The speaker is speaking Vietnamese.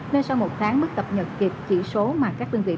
nên sau một tháng mới tập nhật kịp chỉ số mà các khách bản điện tử